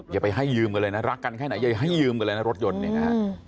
อย่าไปให้ยืมกันเลยนะรักกันแค่ไหนอย่าให้ยืมกันเลยนะรถยนต์เนี่ยนะฮะ